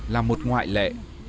là một ngoại lệ